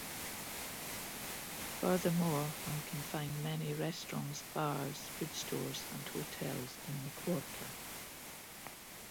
Furthermore one can find many restaurants, bars, foodstores and hotels in the Quartier.